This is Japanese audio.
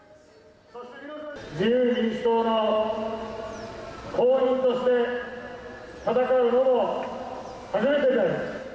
自由民主党の公認として戦うのも初めてです。